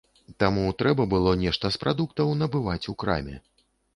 Таму трэба было нешта з прадуктаў набываць у краме.